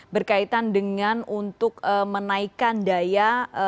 berkaitan dengan untuk menaikkan daya